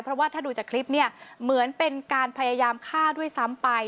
เพราะว่าถ้าดูจากคลิปเนี่ยเหมือนเป็นการพยายามฆ่าด้วยซ้ำไป